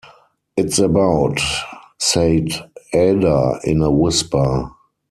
"It's about —" said Ada in a whisper.